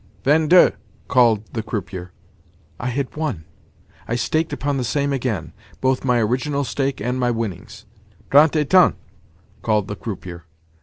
"Vingt deux!" called the croupier. I had won! I staked upon the same again—both my original stake and my winnings. "Trente et un!" called the croupier.